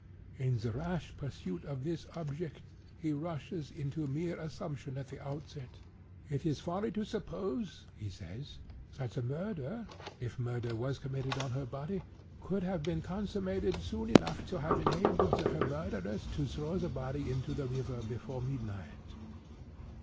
In the rash pursuit of this object, he rushes into mere assumption at the outset. 'It is folly to suppose,' he says, 'that the murder, if murder was committed on her body, could have been consummated soon enough to have enabled her murderers to throw the body into the river before midnight.